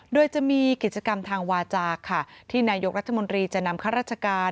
โดยจะมีกิจกรรมทางวาจาค่ะที่นายกรัฐมนตรีจะนำข้าราชการ